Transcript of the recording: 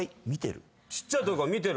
ちっちゃいときから見てる。